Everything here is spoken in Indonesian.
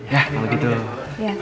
ya kalau gitu ya